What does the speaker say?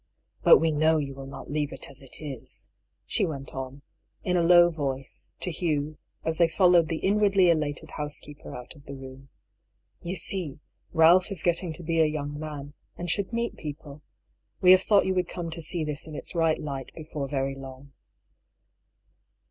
" But we know you will not leave it as it is," she went on, in a low voice, to Hugh, as they f ol lowed the inwardly elated housekeeper out of the room. "You see, Ralph is getting to be a young man, and should meet people. We have thought you would come to see this in its right light before very long."